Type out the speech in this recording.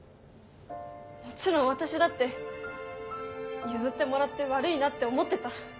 もちろん私だって譲ってもらって悪いなって思ってた。